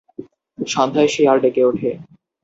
সন্ধ্যায় শিয়াল ডেকে ওঠে।